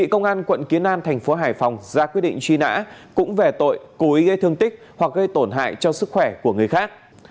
công an quận kiến an thành phố hải phòng ra quyết định truy nã cũng về tội cố ý gây thương tích hoặc gây tổn hại cho sức khỏe của người khác